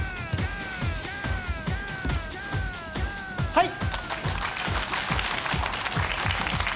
はい。